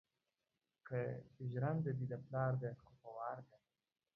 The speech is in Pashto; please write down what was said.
که جرنده دې د پلار ده خو په وار ده